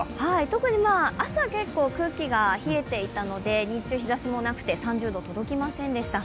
特に朝、結構空気が冷えていたので日中、日ざしもなくて３０度に届きませんでした。